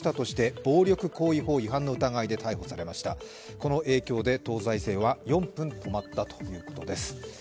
この影響で東西線は４分止まったということです。